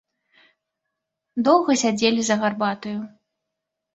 Доўга сядзелі за гарбатаю.